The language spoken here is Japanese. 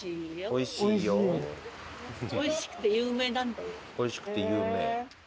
おいしくて有名？